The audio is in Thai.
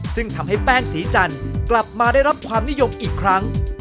ซึ่งทำให้แป้งสีจันทร์กลับมาได้รับความนิยมอีกครั้ง